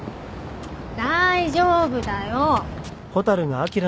大丈夫だよ。